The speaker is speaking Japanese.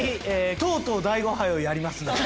とうとう大悟杯をやりますんで。